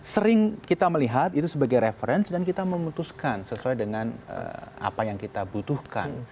sering kita melihat itu sebagai reference dan kita memutuskan sesuai dengan apa yang kita butuhkan